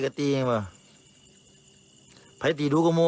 มันนี่มีเบลอญาติอยู่คุณมะ